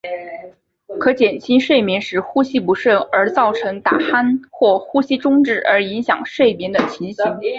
可减轻睡眠时呼吸不顺而造成打鼾或呼吸中止而影响睡眠的情形。